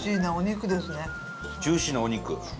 ジューシーなお肉。